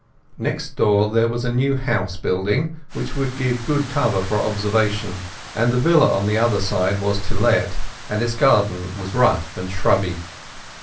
Next door there was a new house building which would give good cover for observation, and the villa on the other side was to let, and its garden was rough and shrubby.